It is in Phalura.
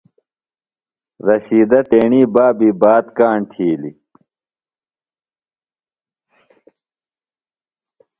رشیدہ تیݨی بابیۡ بات کاݨ تِھیلیۡ ۔